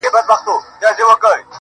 كه بې وفا سوې گراني ~